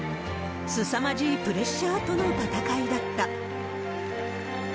すさまじいプレッシャーとの闘いだった。